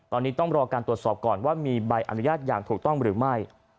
ตอนนี้ต้องรอการตรวจสอบก่อนว่ามีใบอนุญาตอย่างถูกต้องหรือไม่